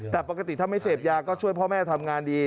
แต่ปกติถ้าไม่เสพยาก็ช่วยพ่อแม่ทำงานดี